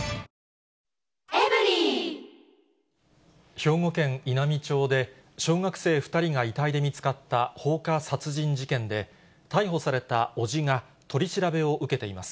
兵庫県稲美町で、小学生２人が遺体で見つかった放火殺人事件で、逮捕された伯父が、取り調べを受けています。